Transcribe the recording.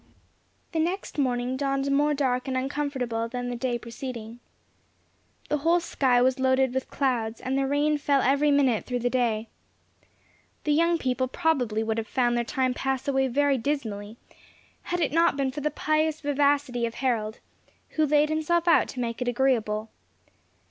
The next morning dawned more dark and uncomfortable than the day preceding. The whole sky was loaded with clouds, and the rain fell every minute through the day. The young people probably would have found their time pass away very dismally had it not been for the pious vivacity of Harold, who laid himself out to make it agreeable.